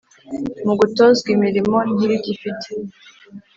mu gutozwa imirimo ntirigifite